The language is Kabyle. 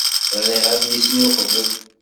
Ɣriɣ adlis-nni uqbel.